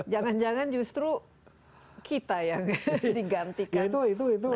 jangan jangan justru kita yang digantikan itu